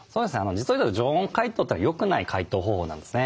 実を言うと常温解凍というのはよくない解凍方法なんですね。